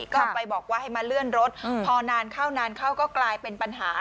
ก็ไปบอกว่าให้มาเลื่อนรถพอนานเข้านานเข้าก็กลายเป็นปัญหา